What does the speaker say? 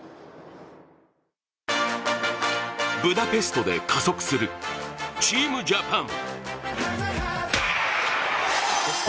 ブダペストで加速するチームジャパン。